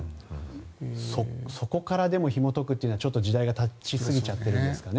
そこからひもとくというのはちょっと時代がたちすぎちゃってるんですかね。